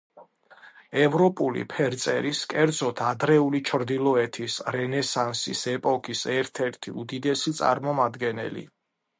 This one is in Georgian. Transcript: ევროპული ფერწერის, კერძოდ ადრეული ჩრდილოეთის რენესანსის ეპოქის ერთ-ერთი უდიდესი წარმომადგენელი.